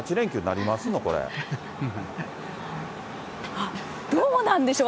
あっ、どうなんでしょう。